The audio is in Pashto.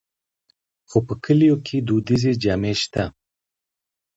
خو په کلیو کې دودیزې جامې شته.